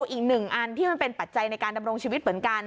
อีกหนึ่งอันที่มันเป็นปัจจัยในการดำรงชีวิตเหมือนกัน